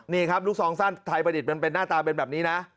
นี่ครับลูกซองสั้นไทยประดิษฐ์มันเป็นหน้าตาเป็นแบบนี้นะ